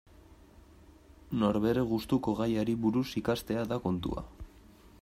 Norbere gustuko gaiari buruz ikastea da kontua.